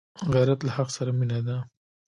غیرت له حق سره مینه ده